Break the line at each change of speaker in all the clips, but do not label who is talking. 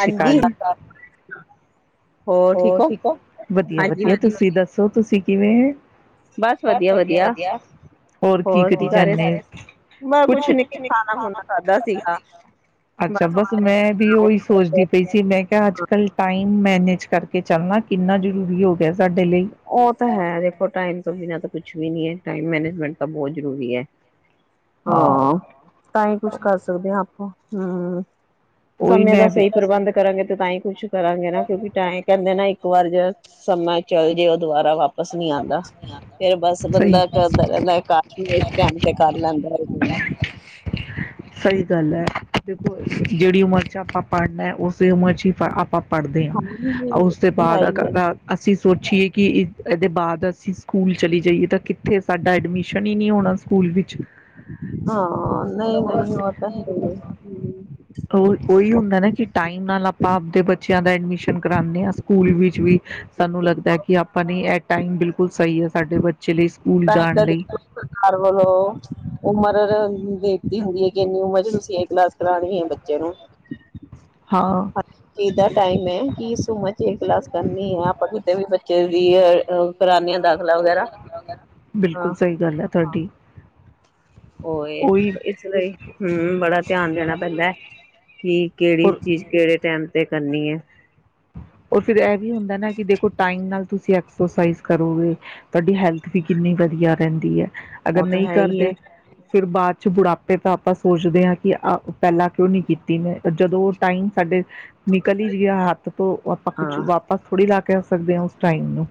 ਸ਼ੀ
ਹਾਂਜੀ
ਕਾਲ ਜੀ।
ਹੋਰ ਠੀਕ ਹੋ
ਵਧੀਆ ਵਧੀਆ, ਤੁਸੀਂ ਦੱਸੋ ਤੁਸੀਂ ਕਿਵੇਂ
ਬਸ ਵਧੀਆ ਵਧੀਆ
ਹੋਰ ਕੀ ਕਰੀ
ਕਰ ਰਹੇ ਸੀ?
ਜਾਂਨੇ?
ਬਸ
ਕੁਛ,
ਨੀ ਖਾਣਾ ਖੁਣਾ ਖਾਧਾ ਸੀਗਾ
ਅੱਛਾ ਬਸ ਮੈਂ ਵੀ ਉਹੀ ਸੋਚਦੀ ਪਈ ਸੀ, ਮੈਂ ਕਿਹਾ ਅੱਜ ਕਲ ਟਮ ਮੈਨੇ ਕਰਕੇ ਚੱਲਣਾ ਕਿੰਨਾ ਜ਼ਰੂਰੀ ਹੋ ਸਾਡੇ ਲਈ
ਉਹ ਤਾਂ ਹੈ, ਦੇਖੋ ਟਾਈਮ ਤੋਂ ਬਿਨਾਂ ਤੇ ਕੁਛ ਵੀ ਨੀ ਐ। ਟਾਈਮ ਮੈਨੇਜਮੈਂਟ ਤਾਂ ਬਹੁਤ ਜ਼ਰੂਰੀ ਐ। ਹਾਂ ਤਾਂ ਹੀ ਕੁਛ ਕਰ ਸਕਦੇ ਹਾਂ ਆਪੋ। ਹਾਂਜੀ ਹਾਂਜੀ
ਉਹੀ
ਸਮੇਂ
ਮੈਂ
ਦਾ
ਵੀ
ਸਹੀ ਪ੍ਰਬੰਧ ਕਰਾਂਗੇ ਤੇ ਤਾਂ ਹੀ ਕੁਛ ਕਰਾਂਗੇ ਨਾ ਕਿਉਂਕਿ ਟਾਈ। ਕਹਿੰਦੇ ਨਾ ਇੱਕ ਵਾਰ ਜ ਸਮਾਂ। ਚਲ ਜੇ ਉਹ ਦੁਬਾਰਾ ਵਾਪਿਸ ਨੀ ਆਂਦਾ ਫੇਰ ਬਸ
ਤੇ
ਬੰਦਾ
ਬਸ
ਕਰਦਾ
ਇੱਕ
ਰਹਿੰਦਾ ਕਸ਼ ਇਸ ਟਾਈਮ ਤੇ ਕਰ ਲੈਂਦਾ।
ਗੱਲ
[unintelligible]
ਸਹੀ ਗੱਲ ਹੈ ਦੇਖੋ ਜਿਹੜੀ ਉਮਰ ਚ ਆਪਾਂ ਪੜ੍ਹਨਾ ਉਸ। ਉਸ ਉਮਰ ਚ ਹੀ ਆਪਾਂ ਪੜ੍ਹਦੇ
ਹਾਂਜੀ
ਹਾਂ
ਉਹ
ਉਸਦੇ
ਤਾਂ ਹੈ
ਬਾਅਦ
ਹੀ ਹੈ
ਅ ਅਸੀਂ ਸੋਚੀਏ ਕਿ ਇਹਦੇ ਬਾਅਦ ਅਸੀਂ ਸਕੂਲ ਚਲੀ ਜਾਈਏ ਤਾਂ ਕਿੱਥੇ ਸਾਡਾ ਐਡਮਿਸ਼ਨ ਹੀ ਨਹੀਂੀ ਹੋਣਾ ਸਕੂਲ ਵਿੱਚ।
ਹਾਂ। ਨਹੀਂ ਨਹੀਂ ਉਹ ਤਾਂ ਹੈ ਹੀ ਹੈ। ਹਮ,
ਉਹ ਉਹੀ ਹੁੰਦਾ ਨਾ ਕਿ ਟਾਈਮ ਨਾਲ ਆਪਾਂ ਆਪਦੇ ਬੱਚੇ ਬੱਚਿਆਂ ਦਾ ਐਡਮਿਸ਼ਨ ਕਰਉਂਦੇ ਹਾਂ ਅ ਸਕੂਲ ਵਿੱਚ ਵੀ ਸਾਨੂੰ ਲੱਗਦਾ ਕਿ ਆਪਾਂ ਨੀ ਟਾਈਮ ਬਿਲਕੁਲ ਸਹੀ ਹੈ ਸਾਡੇ ਬੱਚੇ। ਲਈ ਸਕੂਲ ਜਾਣ ਲਈ
ਦੇਖੋ ਸਰਕਾਰ ਵੱਲੋਂ ਉਮਰ ਬੇਨਤੀ ਹੁੰਦੀ ਹੈ। ਕਿ ਇੰਨੀ ਉਮਰ ਚ ਤੁਸੀਂ ਇਹ ਕਲਾਸ ਕਰਾਉਣੀ ਹੈ ਬੱਚੇ ਨੂੰ।
ਹਾਂ
ਹ ਕਿਦਾ ਟਾਈਮ ਹੈ ਕਿ ਸੂਮਾ ਚ ਇਹ ਕਲਾਸ ਕਰਨੀ ਹੈ। ਆਪਾਂ ਕਿਤੇ ਵੀ ਕਿ ਹਾਂ
ਬਿਲਕੁਲ ਸਹੀ ਗੱਲ ਹੈ ਤੁਹਾਡੀ
ਉਹ
ਉਹੀ
ਇਹ ਇਸ ਲਈ ਹਮ ਬੜਾ ਧਿਆਨ ਦੇਣਾ ਪੈਂਦਾ ਹੈ। ਕਿ ਕਿਹੜੀ ਚੀਜ਼ ਕਿਹੜੇ ਟਾਈਮ। ਤੇ ਕਰਨੀ ਆ।
ਰ ਫਿਰ ਇਹ ਵੀ ਹੁੰਦਾ ਨਾ ਕਿ ਦੇਖੋ ਟਾਈਮ ਨਾਲ ਤੁਸੀਂ ਐਕਸਰਸਾਈਜ਼ ਕਰੋਗੇ। ਤੁਹਾਡੀ ਹੈਲਥ ਵੀ ਕਿੰਨੀ ਵਧੀਆ। ਰਹਿੰਦੀ ਹੈ ਅਗਰ
ਉਹ ਤਾਂ
ਨਹੀਂ
ਹੈ ਹੀ ਹੈ
ਕਰਦੇ ਫਿਰ ਬਾਅਦ ਬੁਢਾਪੇ ਤਾਂ ਆਪਾਂ ਸੋਚਦੇ ਹਾਂ ਕਿ ਆ ਪਹਿਲਾਂ ਕਿਉਂ ਨਹੀਂ ਕੀਤੀ ਮੈਂ ਜਦੋਂ ਟਾਈਮ ਸਾਡੇ ਨਿਕਲ ਹੀ ਜ ਹੱਥ ਆਪਾਂ ਕੁਛ
ਹਾਂ
ਵਾਪਸ ਥੋੜ੍ਹੀ ਲਾ ਕੇ ਆ ਸਕਦੇ ਹਾਂ ਉਸ ਟਾਈਮ ਨੂੰ।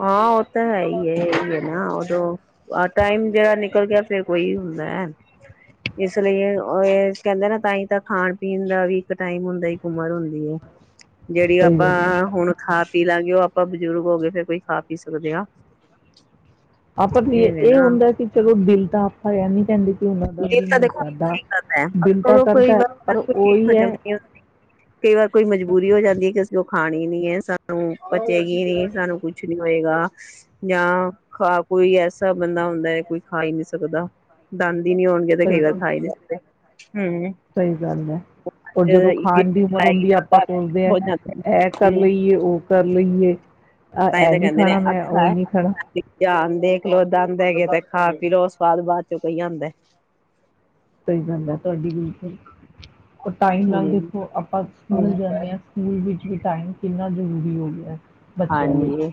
ਹਾਂ ਉਹ ਤਾਂ ਹੈ ਹੀ ਹੈ ਇਹ ਵੀ ਨਾ ਉਹਦੌ ਆ ਟਾਈਮ ਜਿਹੜਾ ਨਿਕਲ ਗਿਆ ਫੇਰ ਕੋਈ ਹੁੰਦਾ ਹੈ। ਇਸ ਲਈ ਇਹ ਕਹਿੰਦੇ ਨਾ ਤਾਂਹੀ ਤਾਂ ਖਾਣ ਪੀਣ ਦਾ ਵੀ ਇੱਕ ਟਾਈਮ ਹੁੰਦਾ ਇੱਕ ਉਮਰ ਹੁੰਦੀ ਹੈ। ਜਿਹੜੀ
ਸਹੀ ਗੱਲ
ਆਪਾਂ
ਹੈ
ਹੁਣ ਖਾ ਪੀ ਲਾਗੇ ਉਹ ਅ ਆਪਾਂ ਬਜ਼ੁਰਗ ਹੋ। ਗਏ ਫੇਿਰ ਕੋਈ ਖਾ ਪੀ ਸਕਦੇ ਹਾਂ।
ਨਾ ਆਪਾਂ ਇਹ ਹੁੰਦਾ ਕਿ ਚਲੋ ਦਿਲ ਤਾਂ ਆਪਾਂ ਨੀ ਕਹਿੰਦੇ। ਕਿ ਉਹਨਾਂ ਦਾ
ਦੇਰ
ਵੀ
ਤਾਂ
ਨਹੀਂ
ਦੇਖੋ
ਕਰਦਾ ਦਿਲ ਤਾਂ
ਕਈ
ਕਰਦਾ ਪਰ
ਵਾਰਠੀ ਹੋ।
ਉਹੀ ਹੈ
ਜਾਂਦੀ ਕਈ ਵਾਰ ਕੋਈ ਮਜਬੂਰੀ ਹੋ ਜਾਂਦੀ ਹੈ। ਕਿਸ ਖਾਣੀ ਨੀ ਹੈ ਸਾਨੂੰ ਬਚੇਗੀ ਨੀ। ਸਾਨੂੰ ਕੁੱਛ ਨੀ। ਹੋਏਗਾ ਜਾਂ ਖਾ ਕੋਈ ਐਸਾ ਬੰਦਾ ਹੁੰਦਾ ਹੈ ਕੋਈ ਖਾ ਹੀ ਨਹੀਂੀ ਸਕਦਾ। ਦੰਦ ਨੀ ਹੋਣਗੇ ਤੇ ਕਈ
ਸਹੀ
ਵਾਰ
ਹੈ।
ਖਾਾਈ [unintelligible]
ਸਹੀ ਗੱਲ ਹੈ ਰ ਜਦੋਂ ਖਾਣ ਦੀ ਉਮਰ ਹੁੰਦੀ ਹੈ। ਆਪਾਂ ਸੋਚਦੇ ਹਾਂ
ਹੋ ਜਾਂਦੇ ਨੇ
ਇਹ ਕਰ
ਹਮ
ਲਈਏ ਉਹ ਕਰ ਲਈਏ। ਆ
ਤਾਂ ਹੀ
ਇਹ
ਤਾਂ
ਨਹੀਂੀ
ਕਹਿੰਦੇ
ਖਾਣਾ ਮੈਂ। ਉਹ ਨਹੀਂੀ ਖਾਣਾ।
ਦੇਖਲੋ ਦਦ ਹੈਗੇ ਤੇ ਖਾ ਪੀ ਲੋਓ ਸਵਾਦ ਬਾਅਦ ਚੋਂ ਕਈ ਹਦਾ।
ਸਹੀ ਗੱਲ ਹੈ ਤੁਹਾਡੀ ਬਿਲਕੁਲ ਟਾਈਮ ਨਾਲ
ਹਮ
ਦੇਖੋ ਆਪਾਂ
ਹਮ
ਸਕੂਲ ਜਾਂਦੇ ਹਾਂ ਸਕੂਲ ਵਿੱਚ ਵੀ ਟਾਈਮ ਕਿੰਨਾ। ਜ਼ਰੂਰੀ ਹੋ ਗ ਗਿਆ ਹੈ ਬੱਚਿਆਂ ਲਈ
ਹਾਂਜੀ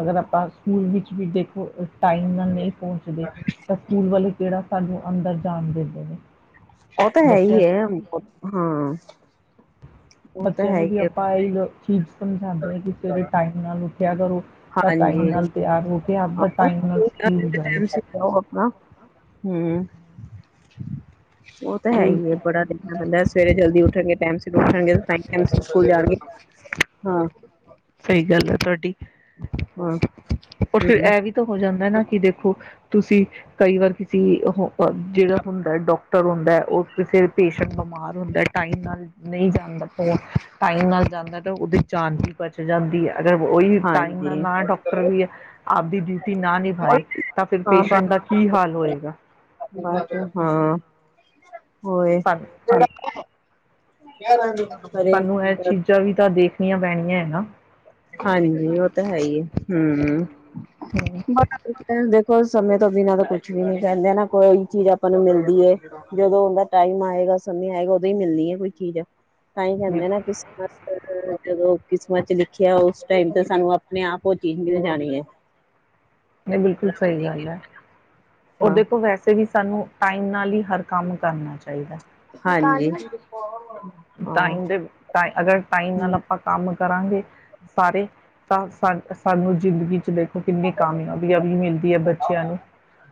ਅਗਰ ਆਪਾਂ ਸਕੂਲ ਵਿੱਚ ਵੀ ਦੇਖੋ ਟਾਈਮ ਨਾਲ ਨਹੀਂ ਪਹੁੰਚਦੇ ਤਾਂ ਸਕੂਲ ਵਾਲੇ ਕਿਹੜਾ ਸਾਨੂੰ ਅੰਦਰ ਜਾਣ ਦੇ
ਉਹ ਤਾਂ ਹੈ ਹੀ ਹੈ ਹਾਂ ਉਹ ਤਾਂ
ਬੱਚਿਆਂ
ਹੈ
ਨੂੰ
ਹੀ
ਵੀ
ਹੈ
ਆਪਾਂ ਇਹ ਲੋ ਚੀਜ਼ ਸਮਝਾਦੇ ਆ ਕਿ ਸਵੇਰੇ ਟਮ ਨਾਲ ਉਠਿਆ ਕਰੋ ਤਾਂ ਟਮ
ਹਾਂਜੀ
ਨਾਲ ਤਿਆਰ ਹੋ ਕੇ ਆਪ
ਹਾਂ
ਟਮ ਨਾਲ
ਠੀਕ ਆ,
ਸਕੀ ਜਾਵੇ
ਹਮ ਉਹ ਤਾਂ ਹੈ
ਉਹੀ
ਹੀ ਹੈ ਬੜਾ ਦੇਖਣਾ ਬੰਦਾ ਸਵੇਰੇ ਜਲਦੀ ਉੱਠਣਗੇ ਟਾਈਮ ਸਿਰ ਉੱਠਣਗੇਮ ਟਮ ਸ ਸਕੂਲ ਜਾਣਗੇ
[inaudible]
ਹਾਂ
ਸਹੀ
ਹਮ
ਪਰ ਫਿਰ ਇਹ ਵੀ ਤਾਂ ਹੋ ਜਾਂਦਾ ਨਾ ਕਿ ਦੇਖੋ ਤੁਸੀਂ ਕਈ ਵਾਰ ਕਿਸੀ ਉਹ ਜਿਹੜਾ ਹੁੰਦਾ ਡਾਕਟਰ ਹੁੰਦਾ ਉਹ ਕਿਸੇ ਪੇਸ਼ ਬਿਮਾਰ ਹੁੰਦਾ ਟਾਈਮ ਨਾਲ ਨਹੀਂ ਜਾਂਦਾ ਟਾਈਮ ਨਾਲ ਜਾਂਦਾ ਤਾਂ ਉਹਦੀ ਜਾਨ ਵੀ ਬਚ ਜਾਂਦੀ ਹੈ ਅਗਰ ਉਹਹੀ ਟਾਈਮ ਦਾ
ਹਾਂਜੀ
ਨਾਂ ਡਾਕਟਰ ਵੀ ਹੈ ਆਪਦੀ ਡਿਊਟੀ ਨਾ ਨਿਭਾਏ ਤਾਂ ਫਿਰ
ਹਾਂ
ਪੇਸ਼ੈਂਟ
ਬਸ
ਦਾ ਕੀ ਹਾਲ ਹੋਏਗਾ
ਬਸ, ਹਾਂ ਹੋਏ
ਧੰਨ ਸਾਨੂੰ ਇਹ ਚੀਜ਼ਾਂ ਵੀ ਤਾਂ ਦੇਖਨੀਆਂ ਪੈਨੀਆਂ ਹੈ ਨਾ।
ਹਾਂਜੀ ਉਹ ਤਾਂ ਹੈ ਹੀ ਐ ਹੂੰ।
ਹੂੰ।
ਦੇਖੋ ਸਮੇਂ ਤੋਂ ਬਿਨਾਂ ਤਾਂ ਕੁਛ ਵੀ ਨੀ ਕਹਿੰਦੇ ਨਾ ਕੋਈ ਚੀਜ਼ ਆਪਾਂ ਨੂੰ ਮਿਲਦੀ ਹੈ, ਜਦੋਂ ਉਹਦਾ ਟਾਈਮ ਆਏਗਾ ਸਮੇਂ ਆਏਗਾ ਉਦੋਂ ਹੀ ਮਿਲਦੀ ਹੈ ਕੋਈ ਚੀਜ਼। ਤਾਂਹੀ ਕਹਿੰਦੇ ਨਾ
ਬਿਲਕੁਲ,
[unintelligible] ਜਦੋਂ ਕਿਸਮਾਂ ਚ ਲਿਖ ਖਿਆ ਉਸ ਟਾਈਮ ਤੇ ਸਾਨੂੰ ਆਪਣੇ ਆਪ ਉਹ ਚੀਜ਼ ਮਿਲ ਜਾਣੀ ਐ।
ਨਹੀਂ ਬਿਲਕੁਲ ਸਹੀ ਗੱਲ ਐ।
ਹਾਂ
ਉਹਦੇ ਕੋਲ ਵੈਸੇ ਵੀ ਸਾਨੂੰ ਟਾਈਮ ਨਾਲ ਹੀ ਹਰ ਕੰਮ ਕਰਨਾ ਚਾਹੀਦਾ।
ਹਾਂਜੀ। ਹਾਂ
ਟਾਈਮ ਦੇ ਅਗਰ ਟਾਈਮ ਨਾਲ, ਆਪਾਂ ਕੰਮ ਕਰਾਂਗੇ ਸਾਰੇ ਤਾਂ ਸ ਸਾਨੂੰ ਜ਼ਿੰਦਗੀ ਚ ਦੇਖ ਕੀ ਕਿੰਨੀ ਕਾਮਯਾਬੀਆਂ ਵੀ ਮਿਲਦੀ ਹੈ ਬੱਚਿਆਂ ਨੂੰ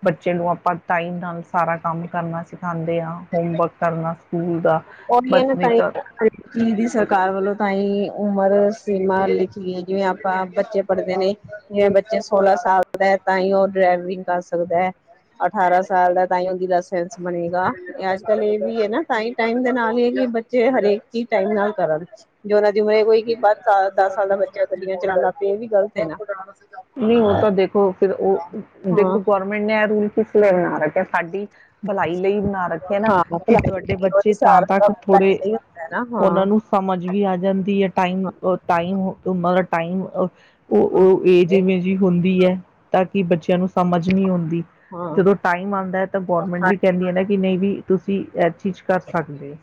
ਬੱਚੇ ਨੂੰ ਆਪਾਂ ਟਾਈਮ ਨਾਲ ਸਾਰਾ ਕੰਮ ਕਰਨਾ ਸਿੱਖਾਂਦੇ ਆਂ। ਹੋੋਮਵਰਕ ਕਰਨਾ ਸਕੂਲ ਦਾ ਨਹੀਂ ਤਾਂ
[unintelligible] ਦੀ ਸਰਕਾਰ ਵੱਲੋਂ ਤਾਂ ਹੀ ਉਮਰ ਸੀਮਾ ਲਿਖੀ ਏ ਜਿਵੇਂ ਆਪਾਂ ਬੱਚੇ ਪੜਦੇ ਨੇ, ਜਿਵੇਂ ਬੱਚੇ ਸੋਲ਼ਾਂ ਸਾਲ ਦਾ ਐ ਤਾਂ ਹੀ ਉਹ ਡਰਾਈਵਿੰਗ ਕਰ ਸਕਦਾ ਐ, ਅਠਾਰਾਂ ਸਾਲ ਦਾ ਤਾਂ ਹੀ ਓਹਦਾ ਲੈਸੈਂਸ ਬਣੇਗਾ, ਅੱਜਕੱਲ ਇਹ ਵੀ ਹ ਨਾ। ਤਾਂ ਹੀ ਟਾਈਮ ਦੇ ਨਾਲ ਹੀ ਕਿ ਬੱਚੇ ਹਰੇਕ ਚੀਜ਼ ਟਾਈਮ ਨਾਲ ਕਰਨ, ਜ਼ਰਾ ਜ਼ਿਵੇ ਕੀ ਕੋਈ ਸਾਲ ਦਸ ਸਾਲ ਦਾ ਬੱਚਾ ਗੱਡੀਆਂ ਚਾਲਾਂਦਾ ਪਿਆ ਇਹ ਵੀ ਗਲਤ ਹੈ ਨਾ।
ਨਹੀਂ ਉਹ ਤਾਂ ਦੇਖ ਉਹ ਫਿਰ ਉਹ
ਹਾਂ
ਦੇਖੋ ਗੌਰਮੈਂਟ ਨੇ ਇਹ ਰੁਲ ਇਸ ਲਈ ਬਨਾ ਰੱਖਿਆ ਕੇ ਸਾਡੀ ਭਲਾਈ ਲਈ ਬਣਾ ਰੱਖੀ ਐ ਨਾ
ਹਾਂ
ਕਿ ਤੁਹਾਡੇ
ਭਲਾਈ ਉਹਦੀ
ਬੱਚੇ ਤਾਂ
ਸਾਰ
ਤੱਕ
ਭਲਾਈ
ਥੋੜੇ
ਸਹੀ ਹੁੰਦਾ ਨਾ
ਉਹਨਾਂ
ਹਾਂ
ਨੂੰ ਸਮਝ ਵੀ ਆ ਜਾਂਦੀ ਐ ਟਾਈਮ, ਟਾਈਮ ਅਗਰ ਟਾਈਮ
ਹਾਂ
ਉਹ [unintelligible] ਜਿਵੇਂ ਜੀ ਹੁੰਦੀ ਹੈ ਤਦ ਕੀ ਬੱਚਿਆਂ ਨੂੰ ਸਮਝ ਨਹੀਂ ਹੁੰਦੀ।
ਹਾਂ
ਜਦੋਂ ਟਾਈਮ ਆਂਦਾ ਹੈ ਤਾਂ ਗੌਰਮੈਂਟ ਵੀ ਕਹਿੰਦੀ ਹੈ ਨਾ ਕਿ ਨਹੀਂ ਵੀ ਕੀ ਤੁਸੀਂ [unintelligible] ਸਕਦੇ ਹੋ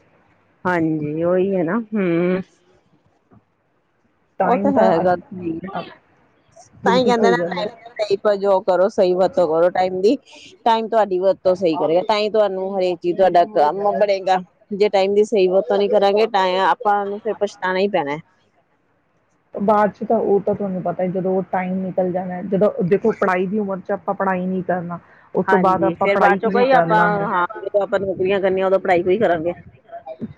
ਹਾਂਜੀ ਉਹੀ ਹੈ ਨਾ, ਹੂੰ। ਉਹ ਤਾਂ
ਟਾਈਮ ਦਾ
ਹੈਗਾ ਹੀ,
ਅੱਜ
ਤਾਂ ਹੀ
ਬਿਲਕੁਲ
ਕਹਿੰਦੇ ਨਾ
ਸਹੀ ਗੱਲ ਹੈ।
ਟਾਈਮ ਦਾ ਸਹੀ ਪ੍ਰਯੋਗ ਕਰੋ, ਸਹੀ ਵਰਤੋਂ ਕਰੋ ਟਾਈਮ ਦੀ। ਟਾਈਮ ਤੁਹਾਡੀ ਵਰਤੋਂ ਸਹੀ ਕਰੇਗਾ ਤਾਂ ਹੀ ਤੁਹਾਨੂੰ ਹਰੇਕ ਚੀਜ਼ ਤੁਹਾਡਾ ਕੰਮ ਬਣੇੇਗਾ, ਜੇ ਟਾਈਮ ਦੀ ਸਹੀ ਵਰਤੋਂ ਨੀ ਕਰਾਂਗੇ ਤਾਂ ਇਹ ਆਪਾਂ ਨੂੰ ਫਿਰ ਪਛਤਾਣਾ ਹੀ ਪੈਣਾ ਐ।
ਤੇ ਬਾਦ ਚ ਤਾਂ ਉਹ ਤਾਂ ਤੁਹਾਨੂੰ ਪਤਾ ਜਦੋਂ ਉਹ ਟਾਈਮ ਨਿਕਲ ਜਾਣਾ ਜਦੋਂ, ਦੇਖੋ ਪੜ੍ਹਾਈ ਦੀ ਉਮਰ ਚ ਆਪਾਂ ਪੜ੍ਹਾਈ ਨਹੀਂ ਕਰਨਾ ਉਸ ਤੋਂ ਬਾਅਦ
ਹਾਂਜੀ
ਆਪਾਂ
ਫਿਰ ਬਾਅਦ
ਪੜ੍ਹਾਈ
ਚੋਂ
ਕਿਵੇਂ
ਕੋਈ
ਕਰ ਲਾਂਗੇ।
ਆਪਣਾ ਪੜਾਈ ਕੋਈ ਕਰਾਂਗੇ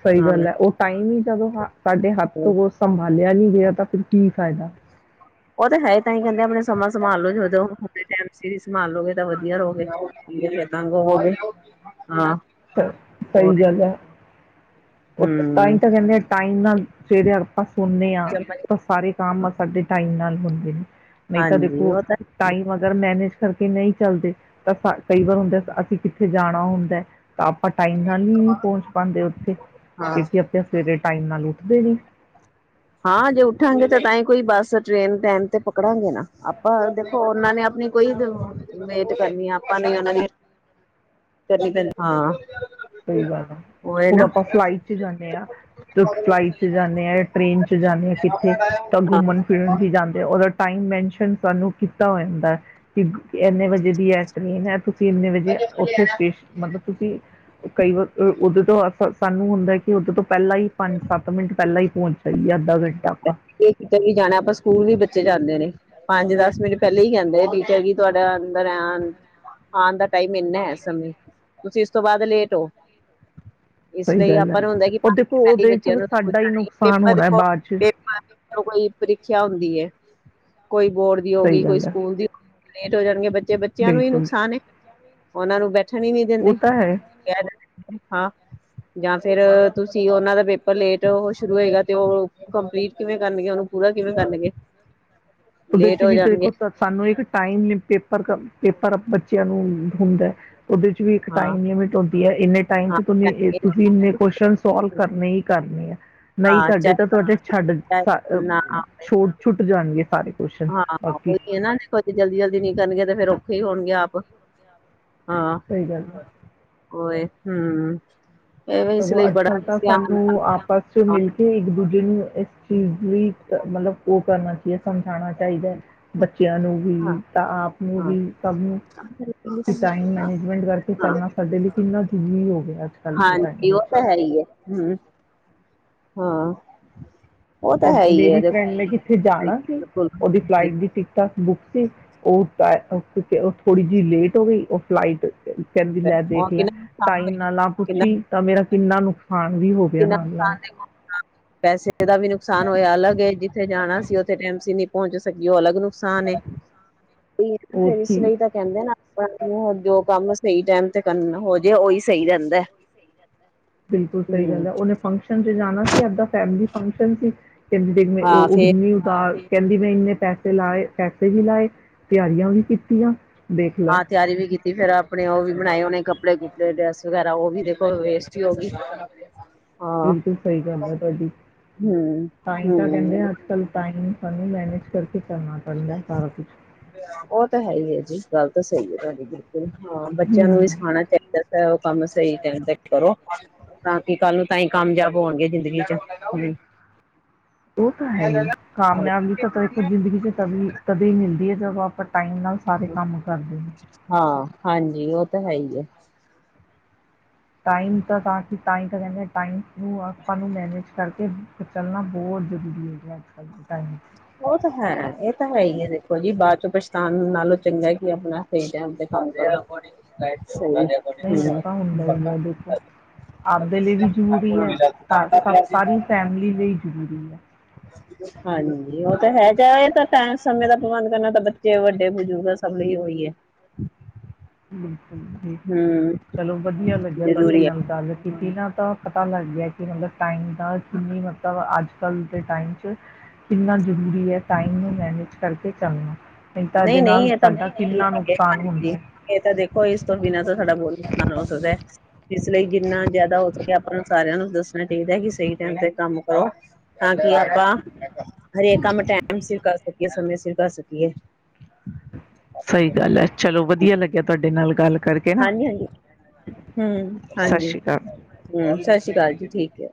ਸਹੀ
ਹਾਂ
ਗੱਲ ਹੈ ਉਹ ਟਾਈਮ ਹੀ ਜਦੋਂ ਹ ਸਾਡੇ ਹੱਥ ਤੋਂ ਸੰਭਾਲੇ ਐਨੀ ਹ ਤਾਂ ਫਿਰ ਕੀ ਫਾਇਦਾ
ਉਹਦੇ ਹੈ ਤਾਂ ਹੀ ਕਹਿੰਦੇ ਆਪਣੇ ਸਮਾਂ ਸੰਭਾਲ ਲਓ ਸੀਰੀ ਸੰਭਾਲ ਲੋਗੇ ਤਾਂ ਵਧੀਆ ਹੋ ਗਿਆ
ਸਹੀ ਗੱਲ ਹੈ ਐ ਤਾਂ
ਹਮ
ਕਹਿੰਦੇ ਟਾਈਮ ਨਾਲ ਸਵੇਰੇ ਆਪਾਂ ਸੁਣਨੇ ਆ ਤਾਂ ਸਾਰੇ ਕੰਮ ਸਾਡੇ ਟਾਈਮ ਨਾਲ [unintelligible] ਨਹੀਂ ਤਾਂ
ਹਾਂਜੀ
ਦੇਖੋ
ਉਹ ਤਾਂ
ਟਾਈਮ ਅਗਰ ਮੈਨੇਜ ਕਰਕੇ ਨਹੀਂ। ਚੱਲਦੇ ਤਾਂ ਕਈ ਵਾਰ ਹੁੰਦੇ ਅਸੀਂ ਕਿੱਥੇ ਜਾਣਾ ਹੁੰਦਾ ਤਾਂ। ਆਪਾਂ ਟਾਈਮ ਨਾਲ ਹੀ ਪਹੁੰਚ ਪਾਉਂਦੇ ਉੱਥੇ।
ਹਾਂ
ਕਿਉਂਕਿ ਆਪਣੇ ਸਵੇਰੇ ਟਾਈਮ ਨਾਲ ਉੱਠਦੇ ਨਹੀਂ।
ਹਾਂ ਜੇ ਉੱਠਾਂਗੇ ਤਾਂ ਤਾਂ ਹੀ ਕੋਈ ਬੱਸ, ਟ੍ਰੇਨ ਟੈਮ ਤੇ ਪਕੜਾਂਗੇ ਨਾ। ਆਪਾਂ ਦੇਖੋ ਉਹਨਾਂ ਨੇ ਆਪਣੀ ਕੋਈ ਵੇਟ ਕਰਨੀ ਆ ਆਪਾਂ ਨੇ ਉਹ ਦੀ ਕਰਨ ਪ ਹਾਂ
ਸਹੀ ਗੱਲ ਆ।
ਉਹ ਹੈ
ਹੁਣ
ਨਾ
ਆਪਾਂ ਫਲਾਈਟ ਚ ਜਾਂਦੇ ਹਾਂ। ਤੇ ਫਲਾਈਟ ਚ ਜਾਂਦੇ ਹਾਂ। ਟੇਨ ਚ ਜਾਂਦੇ ਆਾਂ ਕਿੱਥੇ ਤਾਂ ਘੁੰਮਣ, ਫਿਰਨ ਵੀ ਜਾਂਦੇ। ਆ ਟਾਈਮ ਮੈਂਸ਼ਨ ਸਾਨੂੰ ਕੀਤਾ ਹੋ ਜਾਂਦਾ ਇੰਨੇ ਵਜੇ ਦੀ ਹੈ ਟ੍ਰਰੇਨ ਹੈ ਤੁਸੀਂ ਇੰਨੇ ਵਜੇ ਉੱਥੇ ਸਟੇਸ਼ਨ ਮਤਲਬ ਤੁਸੀਂ ਕਈ ਵਾਰ ਉਦੇੋਂ ਤੋਂ ਅਸ ਸਾਨੂੰ ਹੁੰਦਾ ਕਿ ਉਦੇੋਂ ਤੋਂ ਪਹਿਲਾਂ ਹੀ ਪੰਜ ਸੱਤ ਮਿੰਟ ਪਹਿਲਾਂ ਹੀ ਪਹੁੰਚ ਜਾਈਏ ਅੱਧਾ ਘੰਟਾ। ਆਪਾਂ
ਕਿਤੇ ਵੀ ਜਾਣਾ ਆਪਾਂ ਸਕੂਲ ਵੀ ਬੱਚੇ ਜਾਂਦੇ ਨੇ। ਪੰਜ ਦਸ ਮਿੰਟ ਪਹਿਲੇਾਂ ਹੀ ਕਹਿੰਦੇ ਆ ਟੀਚਰ ਜੀ ਤੁਹਾਡਾ ਅੰਦਰ ਐ ਆਉਣ ਦਾ। ਟਾਈਮ ਇੰਨਾ ਹੈ ਸਮੇਂ। ਤੁਸੀਂ ਇਸ ਤੋਂ ਬਾਅਦ ਲੇਟ ਹੋ। ਇਸ
ਸਹੀ
ਲਈ
ਗੱਲ ਹੈ
ਆਪਾਂ ਨੂੰ ਹੁੰਦਾ ਕਿ
ਉਹ
ਪੰਜ
ਦੇਖੋ
ਮਿੰਟ ਪਹਿਲੇ
ਉਹਦੇ ਚ
ਬੱਚਿਆਂ ਨੂੰ ਸਕੂਲ
ਸਾਡਾ ਹੀ
ਜਾਣਾ
ਨੁਕਸਾਨ
ਪੇਪਰ
ਹੋਣਾ ਹੈ
ਦੇਖੋ
ਬਾਅਦ ਚ।
ਪੇਪਰ ਕੋਈ ਪ੍ਰੀਖਿਆ ਹੁੰਦੀ ਹੈ। ਕੋਈ ਬੋਰਡ ਦੀ ਹੋ ਗਈ
ਸਹੀ
ਕੋਈ
ਗੱਲ ਹੈ।
ਸਕੂਲ ਦੀ। ਲੇਟ ਹੋ ਜਾਣਗੇ ਬੱਚੇ। ਤੇ ਬੱਚਿਆਂ ਨੂੰ ਹੀ
ਬਿਲਕੁਲ।
ਨੁਕਸਾਨ। ਉਹਨਾਂ ਨੂੰ ਬੈਠ। ਛਮੀ ਨੀ
ਉਹ
ਦਿੰਦੇ
ਤਾਂ ਹੈ।
ਕਹਿ। ਹਾਂ ਜਾਂ ਫੇਿਰ ਤੁਸੀਂ ਉਹਨਾਂ ਦਾ ਪੇਪਰ ਲੇਟ ਸ਼ੁਰੂ ਹੋਏਗਾ ਤੇ ਉਹ ਕੰਪਲੀਟ। ਕਿਵੇਂ ਕਰਨਗੇ ਉਹਨੂੰ -ਪੂਰਾ ਕਿਵੇਂ ਕਰਨਗੇ
ਉਹਦੇ
ਲੇਟ
ਚ
ਹੋ
ਵੀ
ਜਾਣਗੇ
ਦੇਖੋ ਸਾਨੂੰ ਇੱਕ ਟਾਈਮ ਪੇਪਰ। ਪਰ ਬੱਚਿਆਂ ਨੂੰ ਹੂੰਦਾ। ਉਹਦੇ ਚ ਵੀ ਇੱਕ
ਹਾਂ
ਟਾਈਮ ਲਿਮਿਟ ਹੁੰਦੀ ਹੈ। ਇੰਨੇ ਟਾਈਮ
ਹਾਂ
ਚ ਤੁਹ ਤੁਸੀਂ ਇੰਨੇ ਕੁਸ਼ਚਨ ਸੋਲਵ ਕਰਨੇ ਹੀ ਕਰਨੇ ਆ। ਨਹੀਂ
ਹਾਂ
ਕਰਢੇ ਤਾਂ ਤੁਹਾਡੇ ਛੱਡ-
ਚਾਹੇ ਨਾ
ਛੋਟ ਛੁੱਟ ਜਾਣਗੇ ਸਾਰੇ। ਕੁਸ਼ਚਨ
ਹਾਂ
ਬਾਕੀ
ਉਹੀ ਇਹ ਨਾ ਜਲਦੀ ਜਲਦੀ ਨੀ ਕਰਨਗੇ ਤੇ ਫੇਰ ਉਹ। ਫ੍ਰੀ ਹੋਣਗੇ ਆਪ
ਸਹੀ ਗੱਲ ਆ।
ਉਏ ਹਮ। ਇਹ ਇਸ
ਸਗੋਂ
ਲਈ
ਅੱਜ
ਬੜਾ
ਕੱਲ ਤਾਂ
ਧਿਆਨ
ਸਾਨੂੰ
ਨਾਲ
ਆਪਸ ਚ ਮਿਲ ਕੇ ਇੱਕ ਦੂਜੇ ਨੂੰ। ਇਸ ਚੀਜ਼ ਵੀ ਮਤਲਬ ਉਹ ਕਰਨਾ ਚਾਹੀਦਾ ਸਮਝਾਉਣਾ ਚਾਹੀਦਾ ਹੈ ਬ ਬੱਚਿਆਂ ਨੂੰ ਵੀ
ਹਾਂ
ਤਾਂ ਆਪ ਨੂੰ
ਹਾਂ
ਵੀ ਸਭ ਨੂੰ ਵੀ ਟਾਈਮ ਮੈਨੇਜਮੈਂਟ ਕਰਕੇ ਚੱਲਣਾ ਸਾਡੇ ਲਈ। ਕਿੰਨਾ ਜ਼ਰੀ ਹੋ ਗਿਆ। ਅਜ ਕਲ।
ਇਹਵ ਤਾਂ ਹੈ ਹੀ ਹੈ ਹਮ ਹਾਂ। ਉਹ ਤਾਂ ਹੈ ਹੀ ਹੈ
ਮੇਰੀ
ਦੇਖੋ
ਫਰੈਂਡ ਨੇ ਕਿੱਥੇ ਜਾਣਾ ਸੀ
ਬਿਲਕੁਲ
ਉਹਦੀ ਫਲਾਈਟ ਦੀ ਟਿਕਟਾਂ ਬੁੱਕ। ਉਹ ਉਹ ਥੋੜੀ ਜਿਹੀ ਲੇਟ ਹੋ ਗਈ। ਉਹ ਫਲਾਈਟ ਕਹਿੰਦੀ ਲੈ
ਉਹ
ਦੇਖ ਲੈ
ਕਿੰਨਾ ਨੁਕਸਾਨ
ਟਾਈਮ
ਹੋਇਆ
ਨਾਲ ਆ
ਕਿੰਨਾ
ਪੁੱਛੀ ਤਾਂ ਮੇਰਾ ਕਿੰਨਾ ਨੁਕਸਾ ਖਾਣ ਵੀ ਹੋ ਗਿਆ
ਕਿੰਨਾ
ਨਾਲ ਨਾਲ
ਨੁਕਸਾਨ ਦੇਖੋ ਪੈਸੇ ਦਾ ਵੀ ਨੁਕਸਾਨ ਹੋਇਆ ਅਲੱਗਏ ਜਿੱਥੇ ਜਾਣਾ ਸੀ ਉੱਥੇ ਟ ਤੁਸੀਂ ਨਹੀਂ ਪਹੁੰਚ ਸਕੀ ਹੋ ਅਲੱਗ ਨੂੰ ਫਰ
ਹੋਰ
ਇਸ
ਕੀ
ਲਈ ਤਾਂ ਕਹਿੰਦੇ ਨਾ ਆਪਣਾ ਜੋ ਕੰਮ ਸਹੀ ਟੈਮ ਤੇ ਕੰਮ ਹੋਜੇ ਉਹੀ ਸਹੀ ਰਹਿੰਦਾ
ਬਿਲਕੁਲ ਸਹੀ
ਹਮ
ਗੱਲ ਹੈ ਉਹਨੇ ਫੰਕਸ਼ਨ ਚ ਜਾਣਾ ਸੀ ਆਪਦਾ ਫੈਮਿਲੀ ਫੰਕਸ਼ਨ ਸੀ ਕਿ ਦੇ
ਹਾਂ
ਉਹ ਉਹ ਵੀ
ਫੇਰ
ਨਹੀਂ ਉਤਾਰ ਕਹਿੰਦੀ ਮੈਂ ਇੰਨੇ ਪੈਸੇ ਲਾਏ ਪੈਸੇ ਵੀ ਲਾਏ ਤਿਆਰੀਆਂ ਵੀ ਕੀਤੀਆਂ ਦੇਖ ਲੈ
ਹਾਂ ਤਿਆਰੀ ਵੀ ਕੀਤੀ ਫੇਰ ਆਪਣੇ ਉਹ ਵੀ ਬਣਾਏ ਉਹਨੇ ਕੱਪੜੇ ਡ੍ਰੇਸ ਵਗੈਰਾ ਉਹ ਵੀ ਦੇਖੋ ਵੇਸਟ ਹੀ ਹੋ ਗਈ
ਬਿਲਕੁਲ ਸਹੀ ਗੱਲ ਹੈ ਤੁਹਾਡੀ
ਹੂੰ
ਤਾਂਹੀ ਤਾਂ ਕਹਿੰਦੇ
ਹੂੰ
ਆ ਅੱਜ ਕੱਲ ਤਾਂ ਸਾਨੂੰ ਮੈਨੇਜ ਕਰਕੇ ਚੱਲਣਾ ਚੜਦਾ ਸਾਰਾ ਕੁਛ
ਉਹ ਤਾਂ ਹੈ ਹੀ ਹੈ ਜੀ ਗੱਲ ਤਾਂ ਸਹੀ ਹੈ ਤੁਹਾਡੀ ਹਾਂ ਬੱਚਿਆਂ ਨੂੰ ਵੀ
ਹਮ
ਸਿਖਾਣਾ ਚਾਹੀਦਾ ਉਹ ਕੰਮ ਸਹੀ ਟਾਈਮ ਤੱਕ ਕਰੋ ਤਾਂ ਕਿ ਕੱਲ ਨੂੰ ਤਾਂ ਹੀ ਕਾਮਯਾਬ ਹੋਣਗੇ ਜ਼ਿੰਦਗੀ ਚ
ਉਹ ਤਾਂ ਹੈ
ਹੋਰ।
ਕਾਮਯਾਬ ਵੀ ਤਾਂਖੋ ਜ਼ਿੰਦਗੀ ਚ ਤੇ ਕਦੇ ਨਾ ਕਦੇ ਮਿਲਦੀ ਹੈ ਨਵਾ ਪੱਤ, ਟਾਈਮ ਨਾਲ ਸਾਰੇ ਕੰਮ ਕਰਦੇ ਨੇ।
ਹਾਂ ਹਾਂਜੀ, ਉਹ ਤਾਂ ਹੈ ਹੀ ਹੈ।
ਟਾਈਮ ਤਾਂ ਕਿ ਤਾਂਹੀ ਤੇ ਕਹਿੰਦੇ ਹਾ ਟਾਈਮ ਼ ਨੂੰ ਆਪਾਂ ਨੂੰ ਮੈਨੇਜ ਇਸ ਕਰਕੇ ਚੱਲਣਾ ਬਹੁਤ ਜ਼ਰੂਰੀ ਹੈ ਜੇ ਅੱਜ-ਕੱਲ੍ਹ ਦੇ ਟਾਈਮ। 'ਚ
ਉਹ ਤਾਂ ਹੈ, ਇਹ ਤਾਂ ਹੈ ਹੀ ਹੈ, ਦੇਖੋ ਜੀ ਬਾਅਦ ਚ ਪਛਤਾਨ ਨਾਲੋਂ ਚੰਗਾ ਕਿ ਆਪਣਾ ਸਹੀ ਟਾਈਮ ਤੇ ਕੰਮ ਕਰੋ।
ਨਹੀਂ,
ਸਹੀ
ਉਹ
ਹੂੰ,
ਤਾਂ ਹੁੰਦਾ ਹੀ ਹੈ, ਦੇਖੋ ਆਪਦੇ ਲਈ ਵੀ ਜ਼ਰੂਰੀ ਹੈ, ਤਾਂ ਸਬ ਸਾਰੀ ਫੈਮਿਲੀ ਲਈ ਜ਼ਰੂਰੀ ਹੈ।
ਹਾਂਜੀ ਉਹ ਤਾਂ ਹੈ ਜਾ ਤਾਂ ਟਾਈਮ ਸਮੇ ਦਾ ਪ੍ਰਬੰਧ ਕਰਨਾ ਤਾਂ, ਬੱਚੇ, ਵੱਡੇ ਬਜ਼ੁਰਗ ਸਭ ਲਈ ਉਹੀ ਹੈ।
ਹੂੰ-ਹੂੰ
ਹੂੰ
ਚਲੋ ਵਧੀਆ ਲੱਗਿਆ ਤੁਹਾਡੇ
ਜ਼ਰੂਰੀ ਹੈ
ਨਾਲ ਗੱਲ ਕੀਤੀ ਨਾ, ਤਾਂ ਪਤਾ ਲੱਗ ਗਿਆ ਕਿ ਮਤਲਬ ਟਾਈਮ ਕਿੰਨੀ ਮਤਲਬ ਅੱਜ-ਕੱਲ੍ਹ ਦੇ ਟਾਈਮ ਚ ਕਿੰਨਾ ਜ਼ਰੂਰੀ ਹੈ, ਟਾਈਮ ਨੂੰ ਮੈਨੇਜ ਕਰਕੇ ਚੱਲਣਾ। ਨਹੀਂ, ਤਾਂ ਇਹਦੇ ਨਾਲ
ਨਹੀਂ ਇਹ ਤਾਂ
ਸਾਡਾ
ਬਹੁਤ
ਕਿੰਨਾ
ਜ਼ਰੂਰੀ ਹੈ
ਨੁਕਸਾਨ ਹੁੰਦਾ
ਹਾਂਜੀ
ਹੈ।
ਇਹ ਤਾਂ ਦੇਖ ਕੋਈ ਇਸ ਤੋਂ ਬਿਨਾਂ ਤਾਂ ਸਾਡਾ ਬਹੁਤ ਨੁਕਸਾਨ ਹੋ ਸਕਦਾ। ਇਸਲਈ ਜਿੰਨਾ ਜਿਆਦਾ ਹੋ ਸਕੇ ਆਪਾਂ ਨੂੰ ਸਾਰਿਆਂ ਨੂੰ ਦੱਸੋ। ਤੇਖਦਾ ਹੈ ਕਿ ਸਹੀ ਟਾਈਮ ਤੇ ਕੰਮ ਹੋ। ਤਾਂ ਕਿ ਆਪਾਂ ਹਰੇਕ ਕੰਮ ਟਾਈਮ ਸਿਰ ਕਰ ਸਕੀਏ ਸਮੇਂ ਸਿਰ ਕਰ ਸਕੀਏ। ਕੀ ਹੈ?
ਸਹੀ ਗੱਲ ਹੈ, ਚਲੋ ਵਧੀਆ ਲੱਗਿਆ ਤੁਹਾਡੇ ਨਾਲ ਗੱਲ ਕਰਕੇ ਨਾ
ਹਾਂਜੀ-ਹਾਂਜੀ ਹੂੰ,
ਸਤਿ
ਹਾਂਜੀ
ਸ਼੍ਰੀ ਅਕਾਲ
ਹੂੰ, ਸਤਿ ਸ੍ਰੀ ਅਕਾਲ ਜੀ। ਠੀਕ ਹੈ।